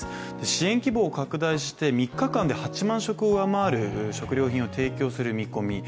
支援規模を拡大して３日間で８万食を上回る食料品を提供する見込み。